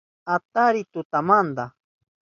Atariy tulltumanta